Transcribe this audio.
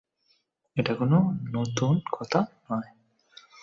এটা কোন নতুন কথা নয়।